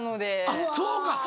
あっそうか。